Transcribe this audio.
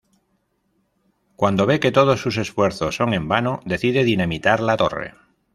Cuando ve que todos sus esfuerzos son en vano, decide dinamitar la torre.